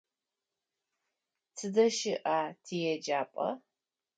Тыдэ щыӏа тиеджапӏэ?